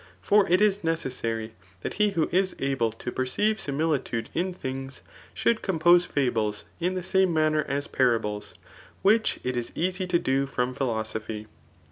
For it is necessary that he who is able to perceive similitude [in things] should compose fiaibles in the same manner as j^arables, which it is easy to do from philosophy.